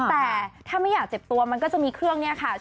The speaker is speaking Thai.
แต่ถ้าไม่อยากเจ็บตัวมันก็จะมีเครื่องเนี่ยค่ะ